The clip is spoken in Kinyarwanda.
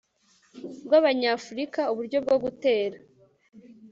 rwabanyafurika uburyo bwo gutera